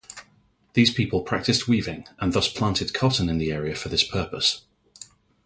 These people practiced weaving and thus planted cotton in the area for this purpose.